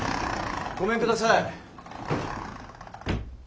ごめんください。